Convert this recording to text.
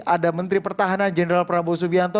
ada menteri pertahanan jenderal prabowo subianto